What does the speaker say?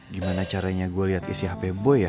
gimana caranya gue liat isi hp bo ya